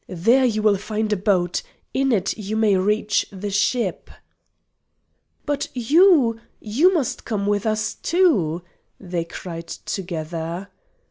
There you will find a boat. In it you may reach the ship." "But you you must come with us too," they cried together.